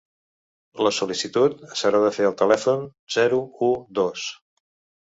La sol·licitud s’haurà de fer al telèfon zero u dos.